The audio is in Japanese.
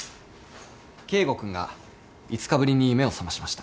圭吾君が５日ぶりに目を覚ましました。